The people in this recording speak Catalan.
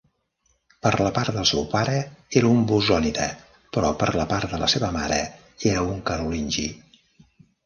Per la part del seu pare era un Bosònida però per la part de la seva mare era un Carolingi.